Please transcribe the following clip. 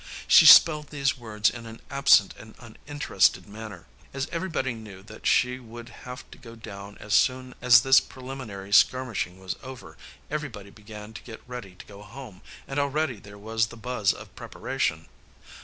She spelled these words in an absent and uninterested manner. As everybody knew that she would have to go down as soon as this preliminary skirmishing was over, everybody began to get ready to go home, and already there was the buzz of preparation.